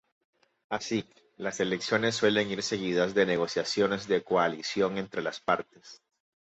Así, las elecciones suelen ir seguidas de negociaciones de coalición entre las partes.